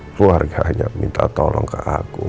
keluarganya minta tolong ke aku